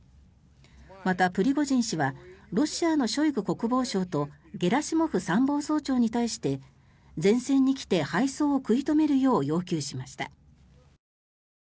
また、プリゴジン氏はロシアのショイグ国防相とゲラシモフ参謀総長に対して前線に来て、敗走を食い止めるよう要求しました。